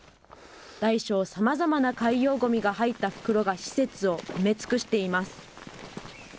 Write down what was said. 大小さまざまな海洋ごみが入った袋が施設を埋め尽くしています。